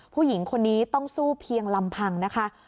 ผู้หญิงคนนี้ต้องสู้เพียงลำพังนะคะ